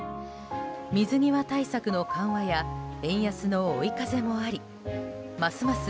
水際対策の緩和や円安の追い風もありますます